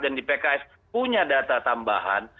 dan di pks punya data tambahan